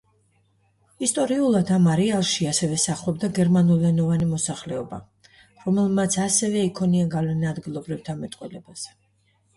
ისტორიულად, ამ არეალში ასევე სახლობდა გერმანულენოვანი მოსახლეობა, რომელმაც ასევე იქონია გავლენა ადგილობრივთა მეტყველებაზე.